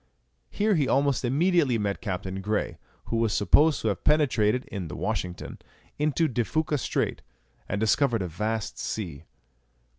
Here he almost immediately met Captain Grey, who was supposed to have penetrated, in the Washington, into De Fuca Strait, and discovered a vast sea.